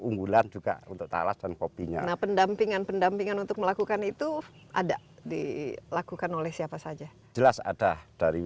unggulan juga untuk talas dan kopinya pendampingan pendampingan untuk melakukan itu ada dilakukan oleh